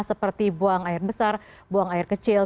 seperti buang air besar buang air kecil